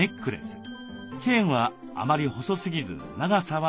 チェーンはあまり細すぎず長さは長め。